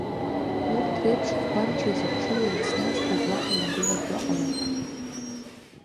Урҭ реиԥш згәамчи зыхшыҩи еицназгоз уаҳа имгыларгьы ҟалап!